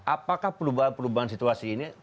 apakah perubahan perubahan situasi ini